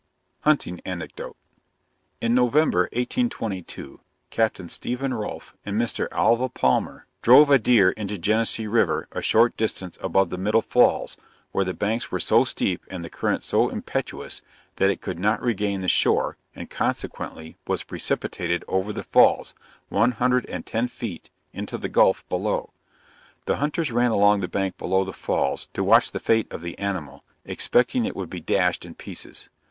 HUNTING ANECDOTE. In November, 1822, Capt. Stephen Rolph and Mr. Alva Palmer drove a deer into Genesee river, a short distance above the middle falls, where the banks were so steep and the current so impetuous, that it could not regain the shore, and consequently was precipitated over the falls, one hundred and ten feet, into the gulph below. The hunters ran along the bank below the falls, to watch the fate of the animal, expecting it would be dashed in pieces.